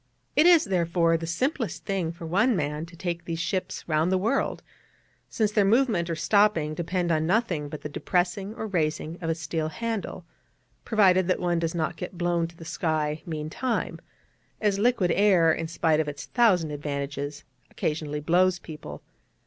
It is, therefore, the simplest thing for one man to take these ships round the world, since their movement, or stopping, depend upon nothing but the depressing or raising of a steel handle, provided that one does not get blown to the sky meantime, as liquid air, in spite of its thousand advantages, occasionally blows people.